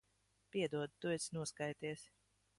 Piedod. Tu esi noskaities.